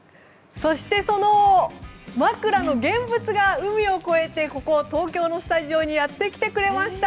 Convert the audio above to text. そしてその枕の現物が海を越えてここ、東京のスタジオにやってきてくれました！